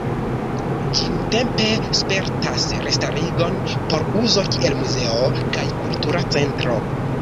Ĝi nuntempe spertas restarigon por uzo kiel muzeo kaj kultura centro.